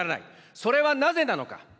それはなぜなのか。